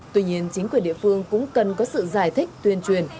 tuy nhiên chính quyền địa phương cũng cần có sự giải thích tuyên truyền